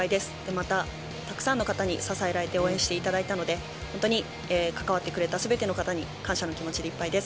また、たくさんの方に支えられて応援していただいたので、本当に関わってくれたすべての方に感謝の気持ちでいっぱいです。